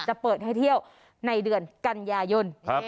จะเปิดให้เที่ยวในเดือนกันยายน